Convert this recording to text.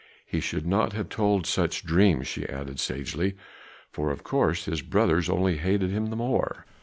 He should not have told such dreams," she added sagely, "for of course his brothers only hated him the more.